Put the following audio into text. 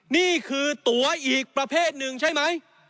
นี่คือตัวอีกประเภทหนึ่งใช่ไหม